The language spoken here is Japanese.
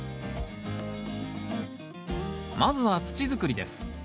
まずは土づくりです。